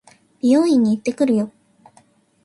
美容院に行ってくるよ。